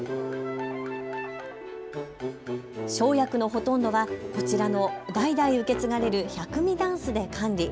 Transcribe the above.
生薬のほとんどはこちらの代々受け継がれる百味箪笥で管理。